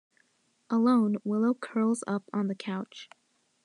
Alone, Willow curls up on the couch.